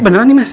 beneran nih mas